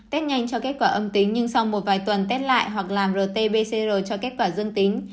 test nhanh cho kết quả âm tính nhưng sau một vài tuần test lại hoặc làm rt pcr cho kết quả dương tính